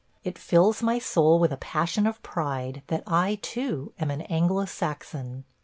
It fills my soul with a passion of pride that I, too, am an Anglo Saxon.